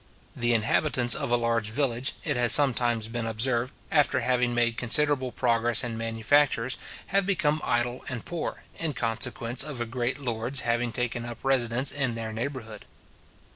The inhabitants of a large village, it has sometimes been observed, after having made considerable progress in manufactures, have become idle and poor, in consequence of a great lord's having taken up his residence in their neighbourhood.